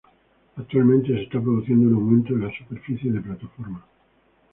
Actualmente se está produciendo un aumento de la superficie de plataforma.